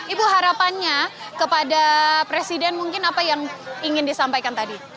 itu harapannya kepada presiden mungkin apa yang ingin disampaikan tadi